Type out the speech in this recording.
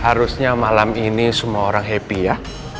harusnya malam ini semua orang happy ya